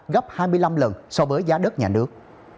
gấp hai mươi năm lần so với giá đất nhà nước